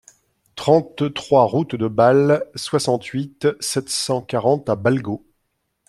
trente-trois route de Bâle, soixante-huit, sept cent quarante à Balgau